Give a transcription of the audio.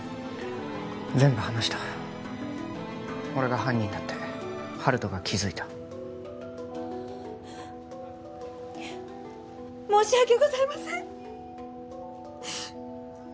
全部話した俺が犯人だって温人が気づいた申し訳ございません！